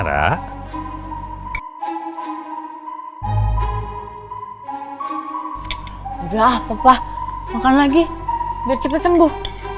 gak apa apa makan lagi biar cepet sembuh